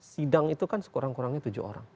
sidang itu kan sekurang kurangnya tujuh orang